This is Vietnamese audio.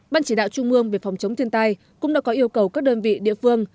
ban chỉ đạo trung mương về phòng chống thiên tai cũng đã có yêu cầu các đơn vị địa phương